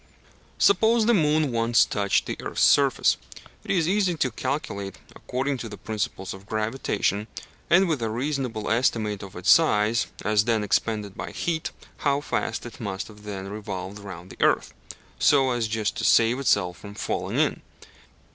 Suppose the moon once touched the earth's surface, it is easy to calculate, according to the principles of gravitation, and with a reasonable estimate of its size as then expanded by heat, how fast it must then have revolved round the earth, so as just to save itself from falling in.